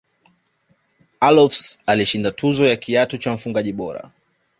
allofs alishinda tuzo ya kiatu cha mfungaji bora